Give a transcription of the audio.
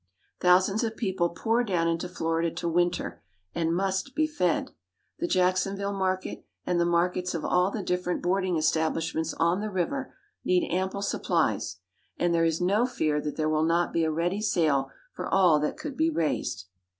Thousands of people pour down into Florida to winter, and must be fed. The Jacksonville market, and the markets of all the different boarding establishments on the river, need ample supplies; and there is no fear that there will not be a ready sale for all that could be raised.